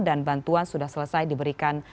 dan bantuan sudah selesai diberikan